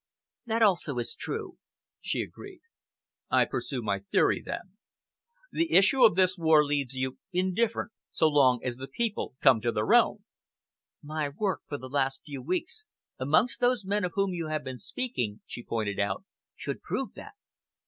"That also is true," she agreed. "I pursue my theory, then. The issue of this war leaves you indifferent, so long as the people come to their own?" "My work for the last few weeks amongst those men of whom you have been speaking," she pointed out, "should prove that."